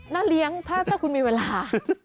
เลี้ยงถ้าคุณมีเวลา